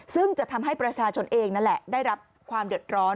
ซึ่งจะทำให้ประชาชนเองนั่นแหละได้รับความเดือดร้อน